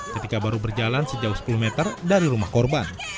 ketika baru berjalan sejauh sepuluh meter dari rumah korban